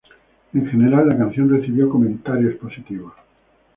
En general la canción recibió comentarios positivos.